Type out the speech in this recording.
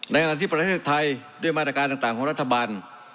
ขณะที่ประเทศไทยด้วยมาตรการต่างของรัฐบาล